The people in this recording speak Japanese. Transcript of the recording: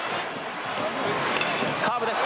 カーブです。